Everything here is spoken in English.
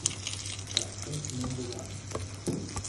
That's point number one.